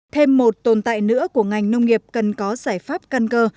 thêm một tồn tại nữa của ngành nông nghiệp cần có giải pháp căn cơ